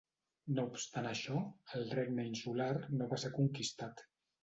No obstant això, el regne insular no va ser conquistat.